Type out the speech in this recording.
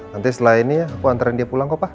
nanti setelah ini aku anterin dia pulang kok pa